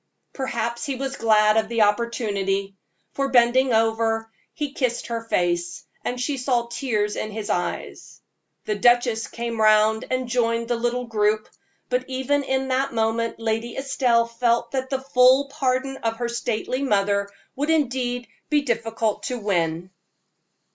Perhaps he was glad of the opportunity; for, bending over, he kissed her face, and she saw tears in his eyes. The duchess came round and joined the little group, but even in that moment Lady Estelle felt that the full pardon of her stately mother would indeed be difficult to win.